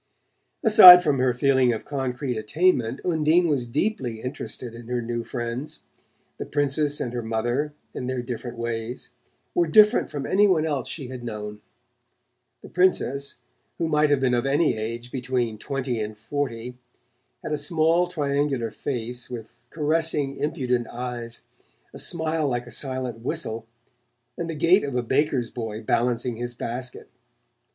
Aside from her feeling of concrete attainment. Undine was deeply interested in her new friends. The Princess and her mother, in their different ways, were different from any one else she had known. The Princess, who might have been of any age between twenty and forty, had a small triangular face with caressing impudent eyes, a smile like a silent whistle and the gait of a baker's boy balancing his basket.